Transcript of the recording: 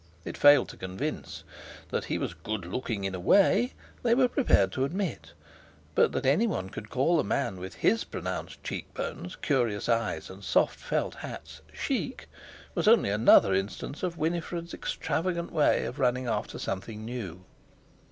It failed to convince. That he was "good looking in a way" they were prepared to admit, but that anyone could call a man with his pronounced cheekbones, curious eyes, and soft felt hats chic was only another instance of Winifred's extravagant way of running after something new.